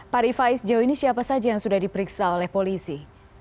pak rifai sejauh ini siapa saja yang sudah diperiksa oleh polisi